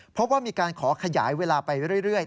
เพราะว่ามีการขอขยายเวลาไปเรื่อย